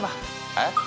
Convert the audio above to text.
えっ？